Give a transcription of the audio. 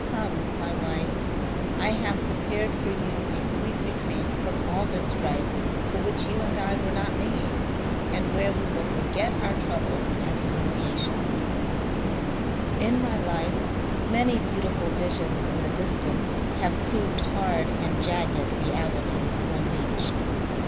Come, my wife, I have prepared for you a sweet retreat from all this strife for which you and I were not made, and where we will forget our troubles and humiliations I In my life many beautiful visions in the distance have proved hard and jagged realities when reached.